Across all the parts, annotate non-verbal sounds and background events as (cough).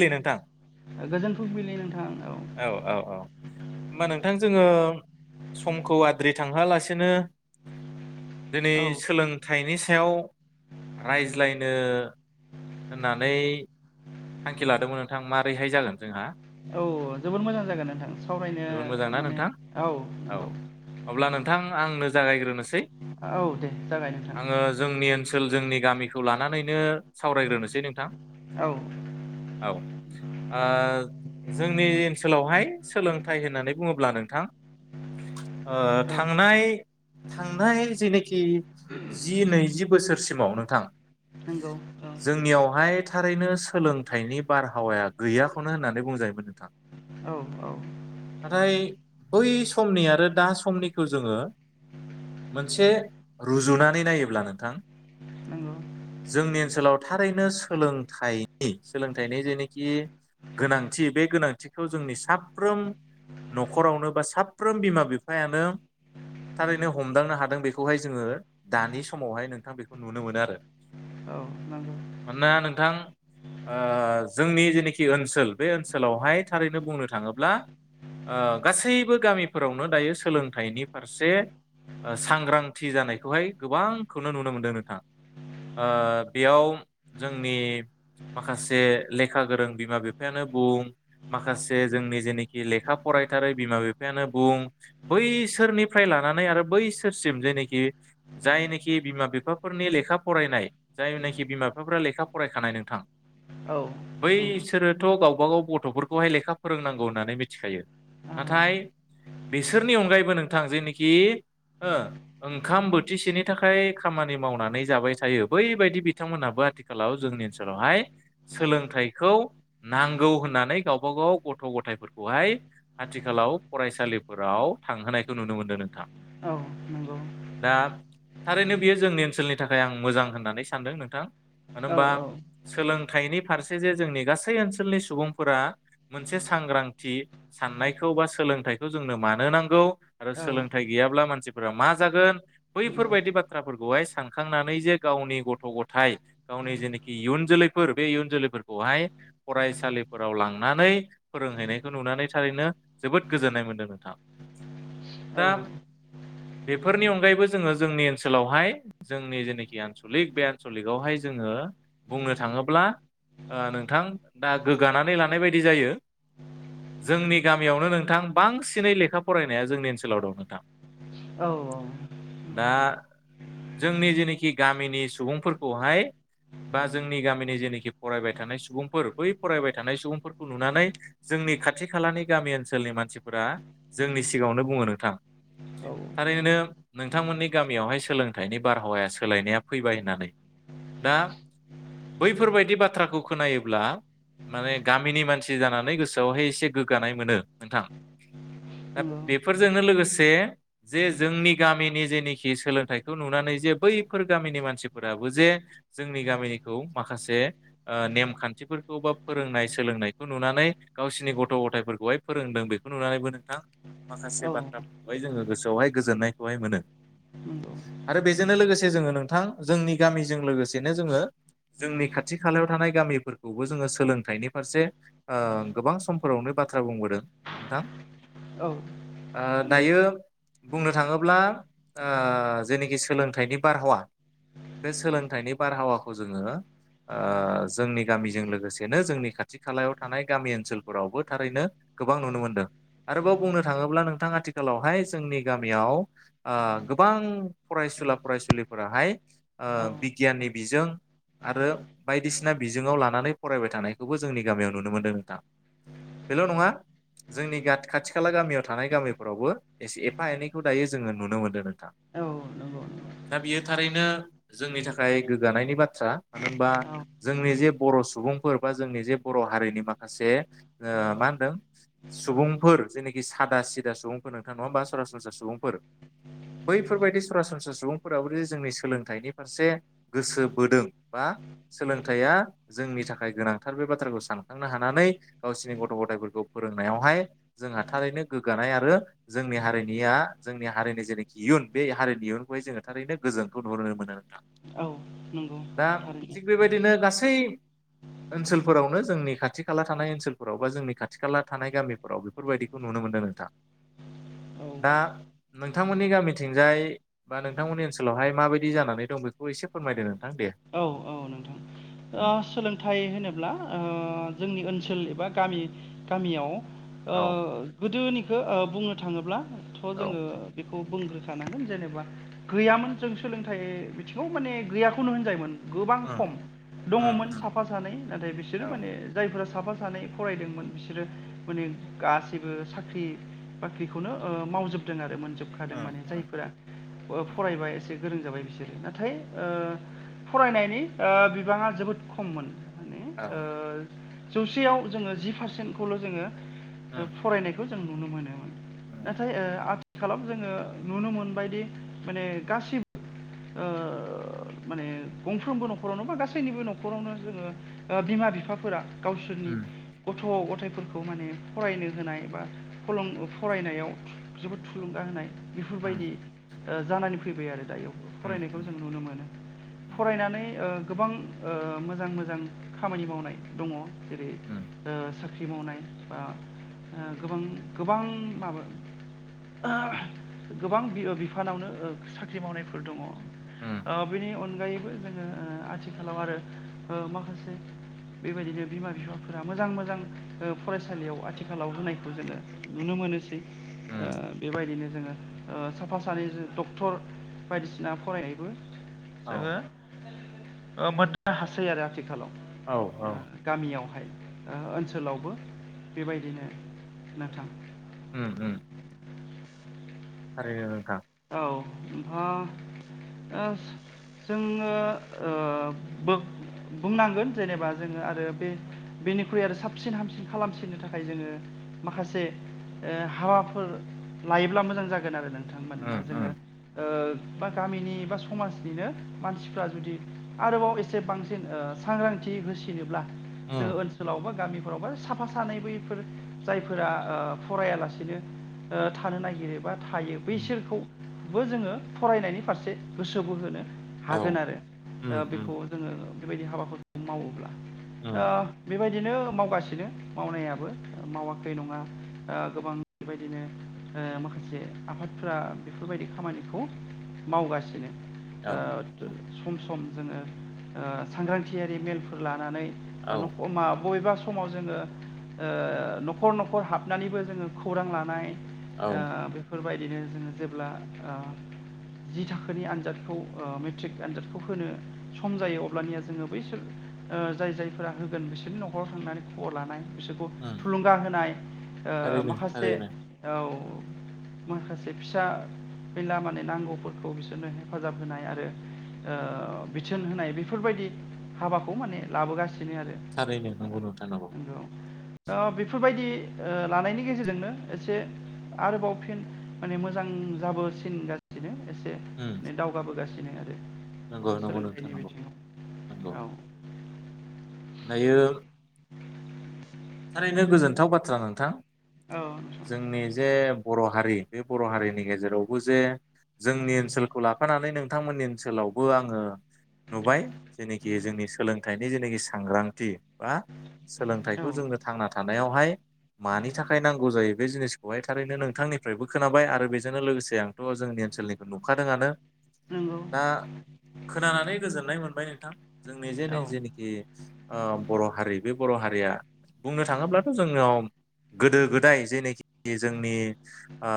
दे नोंथां गोजोन फुंबिलि नोंथां औ औ औ होमबा नोंथां जोङो समखौ आद्रि थांहोआलासेनो दिनै औ सोलोंथा -थाइनि सायाव रायज्लायनो होननानै थांखि लादोंमोन नोंथां माबारैहाय जागोन जोंहा औ जोबोद मोजां जागोन नोंथां जोबोद मोजां सावरायनो ना माने नोंथां औ नंगौ अब्ला नोंथां आंनो जागायग्रोनोसै औ दे जागाय नोंथां आङो जोंनि ओनसोल जोंनि गामि -खौ लानानैनो सावरायग्रोनोसै नोंथां औ औ ओ जोंनि ओनसोलावहाय सोलोंथाइ होननानै बुङोब्ला नोंथां ओ औ थांनाय थांनाय जेनोखि जि नैजि बोसोरसिमाव नोंथां नंगौ औ जोंनियावहाय थारैनो सोलों -थाइनि बारहावाया गैयाखौनो होननानै बुंजायोमोन नोंथां औ औ नाथाय बै समनि आरो दा समनिखौ जोङो मोनसे रुजुनानै नायोब्ला नोंथां नंगौ जोंनि ओनसोलाव थारैनो सोलोंथाइनि सोलोंथाइनि जेनोखि गोनांथि बे गोनांथिखौ जोंनि साफ्रोम न'खरावनो बा साफ्रोम बिमा बिफायानो थारैनो हमदांनो हादों बेखौहाय जोङो दानि समावहाय नोंथां बेखौ नुनो मोनो आरो औ नंगौ मानोना नोंथां ओ जोंनि जेनोखि ओनसोल बे ओनसोलावहाय थारैनो बुंनो थाङोब्ला ओ गासैबो गामिफोरावनो दायो सोलोंथाइनि फारसे ओ सांग्रांथि जानायखौहाय गोबांखौनो नुनो मोनदों नोंथां। ओ बेयाव जोंनि माखासे लेखा गोरों बिमा बिफायानो बुं माखासे जोंनि जेनोखि लेखा फराय बिमा बिफायानो बुं बैसोरनिफ्राय लानानै आरो बैसोरसिम जेनिखि जायनोखि बिमा बिफाफोरनि लेखा फरायनाय जायनोखि बिमा बिफाफोरा लेखा फरायखानाय नोंथां औ नंगौ बैसोरोथ' गावबागाव गथ'फोरखौहाय लेखा फोरोंनांगौ होननानै मिथिखायो। नाथाय बिसोरनि अनगायैबो नोंथां जेनिखि ओ ओंखाम बोथिसेनि थाखाय खामानि मावनानै जाबाय थायो बैबायदि बिथांमोनाबो आथिखालाव जोंनि ओनसोलावहाय सोलोंथाइखौ नांगौ होननानै गावबा गाव गथ' गथायफोरखौहाय आथिखालाव फरायसालिफोराव थांहोनायखौ नुनो मोन्दों नोंथां। औ नंगौ। दा थारैनो बियो जोंनि ओनसोलनि थाखाय आं मोजां होननानै सानदों नोंथां। मानो औ नंगौ औ होनबा औ औ सोलों थायनि फारसे जे जोंनि गासै ओनसोलनि सुबुंफोरा मोनसे सांग्रांथि साननायखौ अबा सोलोंथाइखौ जोंनो मानो नांगौ आरो सोलोंथाइ गैयाबा मानसिफोरा मा जागोन नंगौ औ नंगौ बैफोरबायदि बाथ्राफोरखौहाय सानखांनानै जे गावनि गथ' गथाय गावनि जेनोखि इयुन जोलै फोर बे इयुन जोलैफोरखौहाय फरायसालिफोराव लांनानै फोरोंहैनायखौ नुनानै थारैनो जोबोद गोजोननाय मोनदों नोंथां। औ दा बेफोरनि अनगायैबो जोङो जोंनि ओनसोलावहाय जोंनि जेनोखि आनसलिक बे आनसलिकआवहाय जोङो बुंनो थाङो ब्ला नोंथां दा गोग्गानानै लानाय बायदि जायो। जोंनि गामियावनो नोंथां बांसिनै लेखा फरायनाया जोंनि ओनसोलाव दं नोंथां। औ दा जोंनि जेनोखि गामिनि सुबुंफोरखौहाय बा जोंनि गामिनि जेनोखि फरायबाय थानाय सुबुंफोर बै फरायबाय थानाय सुबुंफोरखौ नुनानै जोंनि खाथि खालानि गामि ओनसोलनि मानसिफोरा जोंनि सिगाङावनो बुङो नोंथां। थारैनो नोंथांमोननि गामियावहाय सोलोंथाइनि बारहावाया सोलायनाया फैबाय होननानै। दा बैफोरबायदि बाथ्राखौ खोनायोब्ला माने गामिनि मानसि जानानै गोसोआवहाय एसे गोग्गानाय मोनो नोंथां। दा बेफोरजोंनो लोगोसे जे जोंनि गामिनि जेनोखि सोलोंथाइखौ नुनानै जे बैफोर गामिनि मानसिफोराबो जे जोंनि गामिनिखौ माखासे ओ नेमखान्थिफोरखौ बा फोरोंनाय सोलोंनायखौ नुनानै गावसोरनि गथ' गथायफोरखौ खौहाय फोरोंदों बेखौ नुनानैबो नोंथां माखासे औ नंगौ औ बाथ्राफोरखौहाय जोङो गोसोआवहाय गोजोननायखौहाय मोनो। नंगौ आरो बेजोंनो लोगोसे जोङो नोंथां जोंनि गामिजों लोगोसेनो जोङो जोंनि खाथि खालायाव थानाय गामिफोरखौबो जोङो सोलोंथाइनि फारसे ओ गोबां समफोरावनो बाथ्रा बाथ्रा बुंबोदों नोंथां औ ओ दायो बुंनो थाङोब्ला ओ जेनोखि सोलोंथाइनि बारहावा बे सोलोंथाइनि बारहावाखौ जोङो ओ जोंनि गामिजों लोगोसेनो जोंनि खाथि खालायाव थानाय गामि ओनसोलफोरावबो थारैनो गोबां नुनो मोनदों आरोबाव बुंनो थाङोब्ला नोंथां आथिखालावहाय जोंनि गामियाव ओ ओ गोबां फरायसुला फरायसुलिफोराहाय ओ औ बिगियाननि बिजों आरो बायदिसिना बिजोङाव लानानै फरायबाय थानायखौबो जोंनि गामियाव नुनो मोनदों नोंथां बेल' नङा जोंनि खाथि खाला गामियाव थानाय गामिफोरावबो एसे एफा एनैखौ दायो जोङो नुनो मोन्दों औ नंगौ नंगौ थारैनो जोंनि थाखाय गोग्गानायनि बाथ्रा मानो होनबा जोंनि जे बर' सुबुंफोर बा जोंनि जे बर' हारिनि माखासे ओ मा होनदों सुबुंफोर जेनाखि सादा सिदा सुबुंफोर नोंथां नङा होनबा सरासनस्रा सुबुंफोर बैफोरबायदि सरासनस्रा सुबुंफोराबो जुदि जोंनि सोलोंथाइनि फारसे गोसो बोदों बा सोलोंथाइया जोंनि थाखाय गोनांथार बे बाथ्राखौ सानखांनो हानानै गावसिनि गथ' गथाय फोरोंनायावहाय जोंहा थारैनो गोग्गानाय आरो जोंनि हारिनिया जोंनि हारिनि जि जेनाखि इयुन बे हारिनि इयुनखौहाय जोङो थारैनो गोजोनखौ नुनो मोनो नोंथां औ नंगौ दा थिग थारैनो बेबायदिनो गासै ओनसोलफोरावनो जोंनि खाथि खाला थानाय ओनसोलफोराव बा जोंनि खाथि खाला थानाय गामिफोराव बेफोरबायदिखौ नुनो मोनदों नोंथां औ दा नोंथांमोननि गामिथिंजाय बा नोंथांमोननि ओनसोलावहाय माबायदि जानानै दं बेखौ एसे फोरमायदो नोंथां दे औ औ नोंथां ओ उम सोलोंथाइ होनोब्ला जोंनि ओनसोल बा गामि गामियाव ओ औ गोदोनिखौ बुंनो थाङोब्ला थ' औ जोङो बेखौ बुंग्रोखानांगोन जेनेबा गैयामोन जों सोलोंथाइ बिथिङाव माने गैयाखौनो होनजायोमोन गोबां उम खम उम दङमोन उम साफा सानै नाथाय बिसोरो औ माने जायफोरा साफा सानै फरायदोंमोन बिसोरो माने गासैबो साख्रि बाख्रिखौनो मावजोबदों आरो मोन जोबखादों उम माने उम जायफोरा उम फरायबा एसे गोरों जाबाय बिसोरो नाथाय ओ फरायनायनि ओ बिबाङा जोबोद खममोन माने औ ओ जौसेयाव जोङो जि पारसेन्टखौल' जोङो उम फरायनायखौ जों नुनो मोनोमोन उम नाथाय आ आथि खालाव जोङो नुनो मोनबायदि माने गासिब ओ माने गंफ्रोमबो न'खरावनो बा गासैनिबो न'खरावनो जोङो ओ बिमा बिफाफोरा गावसोरनि उम गथ' गथायाइफोरखौ माने फरायनो होनाय बा फरायनायाव जोबोद थुलुंगा होनाय उम बेफोरबायदि जानानै फैबाय आरो दा बेयाव फरायनायखौ उम जों नुनो मोनो फरायनानै ओ गोबां ओ मोजां मोजां खामानि मावनाय दङ जेरै उम दा साख्रि मावनाय बा गोबां गोबां माबा ओ गोबां बिफानावनो ओ साख्रि मावनायफोर दङ ओ उम बेनि अनगायैबो जोङो आथिखालाव आरो माखासे बेबायदिनो बिमा बिफाफोरा मोजां मोजां फरायसालियाव आथिखालाव होनायखौ जोङो नुनो मोनोसै ओ उम बेबायदिनो जोङो ओ साफा सानै डक्टर बायदिसिना फरायनायबो औ जोङो ओ मोननो हासै आरो आथिखालाव औ औ गामियावहाय ओ ओनसोलावबो बेबायदिनो नोंथां उम उम थारैनो नोंथां औ‌ नोंथाङा ओस जोङो ओ बो बुंनांगोन जेनेबा जोङो आरो बे बेनिख्रुइ आरो साबसिन हामसिन खालामसिननो थाखाय जोङो माखासे ओ हाबाफोर लायोब्ला मोजां जागोन आरो नोंथां मानोना उम उम जोङो ओ बा गामिनि बा समाजनिनो मानसिफ्रा जुदि आरोबाव एसे बांसिन ओ सांग्रां थि होसिनोब्ला जों उम ओनसोलाव बा गामि फ्राव बा साफा सानै बैफोर जायफोरा ओ फरायालासिनो ओ थानो नागिरो बा था उम बैसोरखौबो जोङो फरायनायनि फारसे गोसो बोहोनो औ हागोन आरो उम ओ उम बेखौ जोङो बेबायदि हाबाखौ मावोब्ला उम ओ बेबाय दिनो मावगासिनो मावनायाबो मावाखै नङा ओ गोबां बेबायदिनो ओ माखासे आफाद फ्रा बेफोरबायदि खामानिखौ मावगासिनो औ ओ सम सम जोङो ओ सांग्रांथियारि मेलफोर लानानै बा औ नख मा बबेबा समाव जोङो ओ न'खर न'खर हाबनानैबो जोङो खौरां लानाय औ ओ बेफोरबायदिनो जोङो जेब्ला ओ जि थाखोनि आनजादखौ ओ मेट्रिक आनजादखौ होनो सम जायो अब्लानिया जोङो बैसोर ओ जाय जायफोरा होगोन बिसोरनि न'खराव थांनानै खबर लानाय बिसोरखौ उम थुलुंगा होनाय ओ थारैनो माखासे थारैनो औ माखासे फिसा फेनला माने नांगौफोरखौ बिसोरनो हेफाजाब होनाय आरो ओ बिथोन होनाय बेफोरबायदि हाबाखौ माने लाबोगासि सिनो आरो थारैनो ओ नंगौ नोंथां नंगौ अ बेफोरबायदि ओ लानायनि गेजेरजोंनो एसे आरोबाव फिन माने मोजां जाबोसिनगासिनो एसे उम दावगाबोगासि नंगौ नंगौ नोंथां नंगौ बिथिङाव नंगौ दायो थारैनो गोजोनथाव बाथ्रा नोंथां औ जोंनि जे बर' हारि बे बर' हारिनि गेजेरावबो जे जोंनि ओनसोलखौ लाफानानै नोंथांमोननि ओनसोलावबो आङो नुबाय जेनाखि जोंनि सोलोंथाइनि जेनाखि सांग्रांथि बा नोंथां औ बेखौ जोंनो थांना थानायावहाय मानि थाखाय नांगौ जायो बे जिनिसखौहाय थारैनो नोंथांनिफ्रायबो खोनाबाय आरो बेजोंनो लोगोसे आंथ' जोंनि ओनसोलनिखौ नुखादोंआनो नंगौ दा खोनानानै गोजोननाय मोनबाय नोंथां। जोंनि जे औ जेनिखि ओ बर' हारि बे बर' हारिया बुंनो थाङोब्लाथ' जोंनियाव गोदो गोदाय जायनाखि जोंनि ओ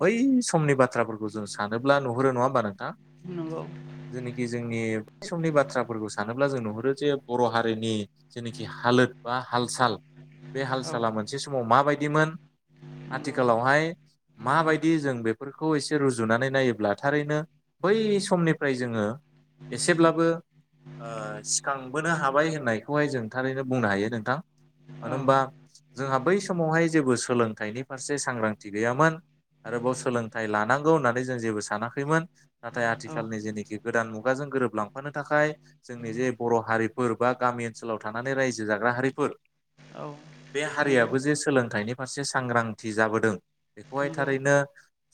बै समनि बाथ्राफोरखौ जों सानो ब्ला नुहुरो नङा होमबा नोंथां नंगौ जेनिखि जोंनि बै समनि बाथ्राफोरखौ सानोब्ला जों नुहुरो जे बर' हारिनि जेनिखि हालोद बा हालसाल बे औ हालसाला मोनसे समाव माबायदिमोन नंगौ आथिखालावहाय माबायदि जों बेफोरखौ एसे रुजुनानै नायोब्ला थारैनो बै समनिफ्राय जोङो एसेब्लाबो ओ सिखांबोनो हाबाय होननायखौहाय जों थारैनो बुंनो हायो नोंथां। (inaudible) मानो औ होनबा जोंहा बै समावहाय जेबो सोलोंथाइनि फारसे सांग्रांथि गैयामोन आरोबाव सोलोंथाइ लानांगौ होननानै जों जेबो सानाखैमोन नाथाय आथिखालनि जेनाखि गोदान मुगाजों गोरोबलांफानो थाखाय जोंनि जे बर' हारिफोर बा गामि ओनसोलाव थानानै रायजो जाग्रा हारिफोर औ बे हारियाबो नंगौ जे सोलोंथाइनि फारसे सांग्रांथि जाबोदों बहाय नंगौ थारैनो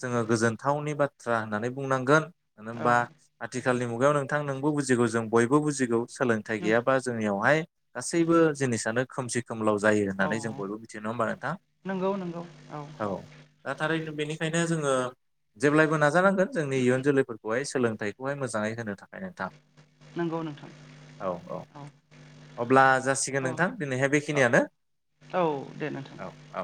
जोङो गोजोनथावनि बाथ्रा होननानै बुंनांगोन मानो औ होनबा आथि खालनि मुगायाव नोंथां नोंबो बुजिगौ जों बयबो बुजिगौ सोलोंथाइ नों गैयाबा जोंनियावहाय गासैबो जिनिसानो खोमसि खोमलाव जायो औ होननानै जों बयबो मिथियो नंङा होमबा नोंथां नंगौ नंगौ औ दा थारैनो बेनिखायनो जोङो जेब्लायबो नाजानांगोन जोंनि इयुन जोलैफोरखौहाय सोलोंथाइखौहाय मोजाङै होनो थाखाय नोंथां नंगौ नोंथां औ अब्ला जासिगोन नोंथां दिनैहाय औ बेखिनियानो औ दे नोंथां औ औ